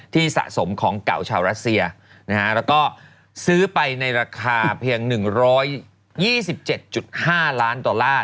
สะสมของเก่าชาวรัสเซียแล้วก็ซื้อไปในราคาเพียง๑๒๗๕ล้านดอลลาร์